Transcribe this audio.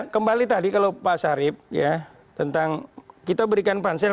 kembali tadi kalau pak sarip ya tentang kita berikan pansel